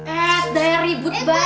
eh sudah ya ribut baik